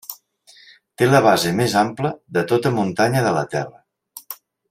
Té la base més ampla de tota muntanya de la Terra.